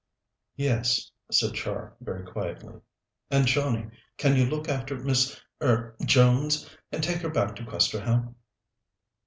"Yes," said Char, very quietly. "And, Johnnie, can you look after Miss er Jones, and take her back to Questerham?"